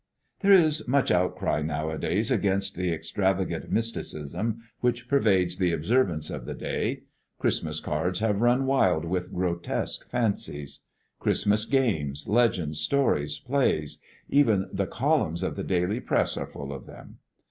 There is much outcry nowadays against the extravagant mysticism which pervades the observance of the day. Christmas cards have run wild with grotesque fancies. Christmas games, legends, stories, plays, even the columns of the daily press are full of them.